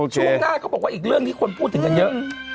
ช่วงหน้าเขาบอกว่าอีกเรื่องที่คนพูดถึงกันเยอะ